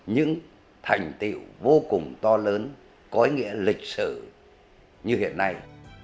những thành tiệu vô cùng to lớn có ý nghĩa lịch sử như hiện nay